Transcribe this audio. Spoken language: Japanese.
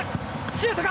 シュートか。